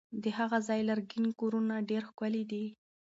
د هغه ځای لرګین کورونه ډېر ښکلي دي.